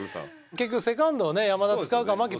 結局セカンドをね山田使うか牧使うかって。